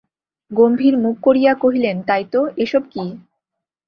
গম্ভীর মুখ করিয়া কহিলেন, তাই তো, এ-সব কী?